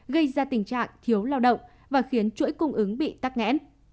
gây ra tình trạng thiếu lao động và khiến chuỗi cung ứng bị tắc nghẽn